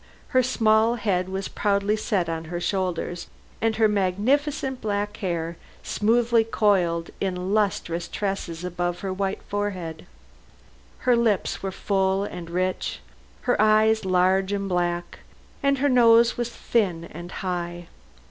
Her small head was proudly set on her shoulders, and her magnificent black hair smoothly coiled in lustrous tresses above her white forehead. Her lips were full and rich, her eyes large and black, and her nose was thin and high.